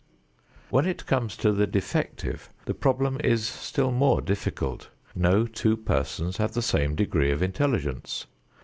When it comes to the defective, the problem is still more difficult. No two persons have the same degree of intelligence.